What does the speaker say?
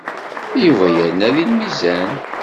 Yuba yerna deg lmizan.